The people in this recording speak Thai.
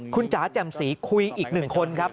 คุณจ๋าแจ่มสีคุยอีกหนึ่งคนครับ